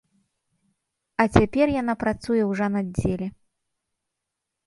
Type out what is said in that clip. А цяпер яна працуе ў жанаддзеле.